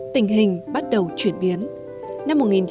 tình hình bắt đầu chuyển biến